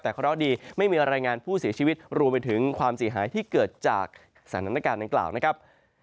แต่เคราะห์ดีไม่มีรายงานผู้เสียชีวิตรวมไปถึงความเสียหายที่เกิดจากสถานการณ์ดังกล่าวนะครับ